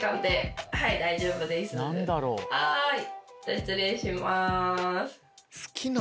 はい。